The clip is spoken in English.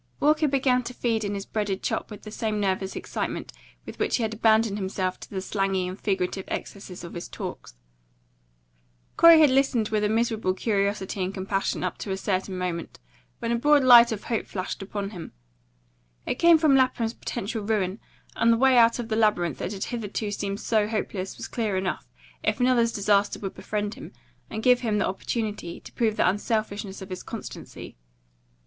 Walker began to feed in his breaded chop with the same nervous excitement with which he abandoned himself to the slangy and figurative excesses of his talks. Corey had listened with a miserable curiosity and compassion up to a certain moment, when a broad light of hope flashed upon him. It came from Lapham's potential ruin; and the way out of the labyrinth that had hitherto seemed so hopeless was clear enough, if another's disaster would befriend him, and give him the opportunity to prove the unselfishness of his constancy.